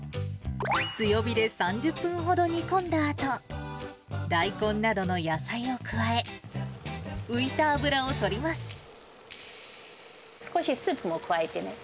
強火で３０分ほど煮込んだあと、大根などの野菜を加え、少しスープも加えてね。